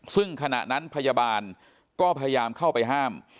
ซึ่งขณะนั้นพยาบาลก็พยายามเข้าไปห้าม